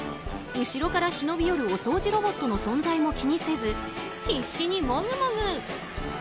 後ろから忍び寄るお掃除ロボットの存在も気にせず必死にモグモグ。